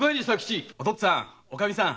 お父っつぁんおカミさん